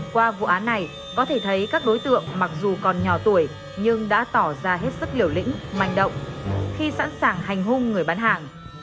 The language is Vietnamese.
qua vụ án này có thể thấy các đối tượng mặc dù còn nhỏ tuổi nhưng đã tỏ ra hết sức liều lĩnh manh động khi sẵn sàng hành hung người bán hàng